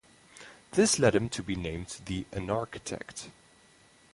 This led him to be nicknamed the "Anarchitecte".